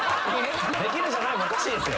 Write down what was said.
「できるじゃない」もおかしいですよ。